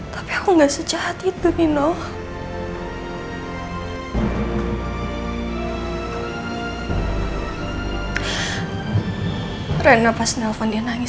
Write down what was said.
tapi aku gak sejahat itu nino